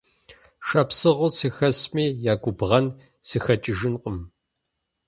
Шапсыгъыу сызыхэсми я губгъэн сыхэкӏыжынкъым.